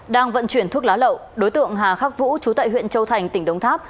đang vận chuyển thuốc lá lậu đối tượng hà khắc vũ trú tại huyện châu thành tỉnh đông tháp